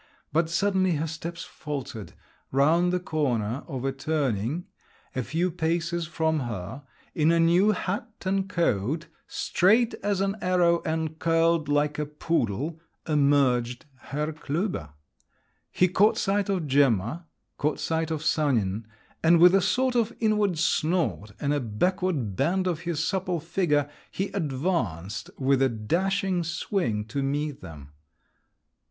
But suddenly her steps faltered. Round the corner of a turning, a few paces from her, in a new hat and coat, straight as an arrow and curled like a poodle—emerged Herr Klüber. He caught sight of Gemma, caught sight of Sanin, and with a sort of inward snort and a backward bend of his supple figure, he advanced with a dashing swing to meet them.